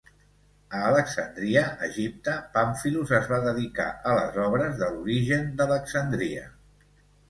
A Alexandria, Egipte, Pamphilus es va dedicar a les obres de l'Origen d'Alexandria.